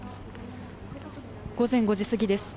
午前５時過ぎです。